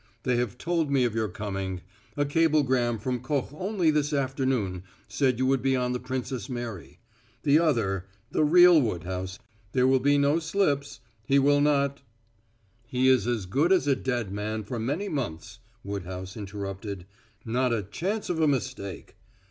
They have told me of your coming. A cablegram from Koch only this afternoon said you would be on the Princess Mary. The other the real Woodhouse there will be no slips; he will not " "He is as good as a dead man for many months," Woodhouse interrupted. "Not a chance of a mistake."